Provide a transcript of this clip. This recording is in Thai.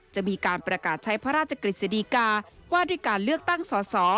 จะมีการประกาศใช้พระราชกฤษฎีกาว่าด้วยการเลือกตั้งสอสอ